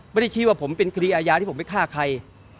ไม่ได้ชี้ว่าผมเป็นคดีอาญาที่ผมไปฆ่าใคร